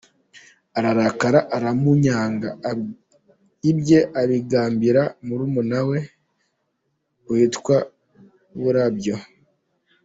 Ararakara aramunyaga, ibye abigabira murumuna we witwa Burabyo.